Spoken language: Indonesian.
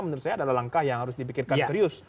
menurut saya adalah langkah yang harus dipikirkan serius